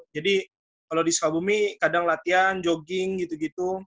jadi kalau di sukawumi kadang latihan jogging gitu gitu